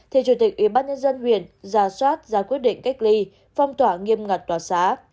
thì chủ tịch ubnd huyện ra soát ra quyết định cách ly phong tỏa nghiêm ngặt tòa xã